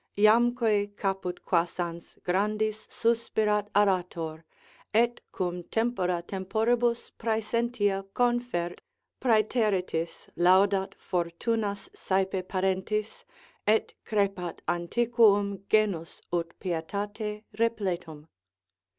"Jamque caput quassans, grandis suspirat arator. Et cum tempora temporibus praesentia confert Praeteritis, laudat fortunas saepe parentis, Et crepat antiquum genus ut pietate repletum."